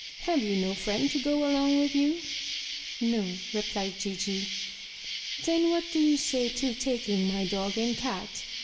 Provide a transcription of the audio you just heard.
Have you no friend to go along with you?" "No," replied Gigi. "Then what do you say to taking my dog and cat?